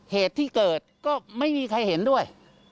เหตุที่เกิดก็ไม่มีใครเห็นด้วย